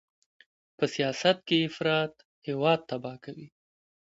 په سیاست کې افراط هېواد تباه کوي.